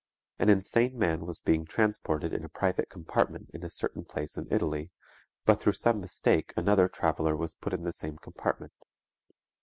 An insane man was being transported in a private compartment in a certain place in Italy, but through some mistake another traveler was put in the same compartment.